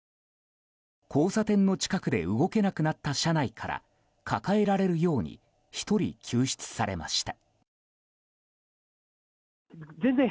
交差点の近くで動けなくなった車内から抱えられるように１人救出されました。